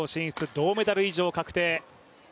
銅メダル以上確定。